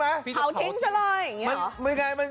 เผาทิ้งซะเลยอย่างนี้